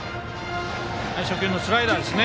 初球のスライダーですね。